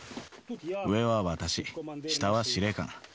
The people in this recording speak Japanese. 上は私、下は司令官。